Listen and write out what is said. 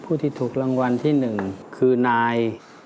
ผู้ที่ถูกรางวัลที่๑คือนาย